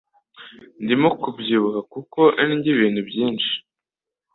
Ndimo kubyibuha kuko ndya ibintu byinshi.